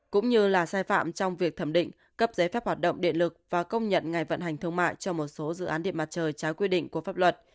cũng như là sai phạm trong việc thẩm định cấp giấy phép hoạt động điện lực và công nhận ngày vận hành thương mại cho một số dự án điện mặt trời trái quy định của pháp luật